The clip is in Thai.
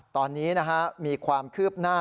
ตอนนี้มีความคืบหน้า